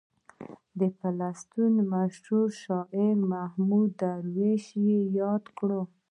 د فلسطین مشهور شاعر محمود درویش یې رایاد کړ.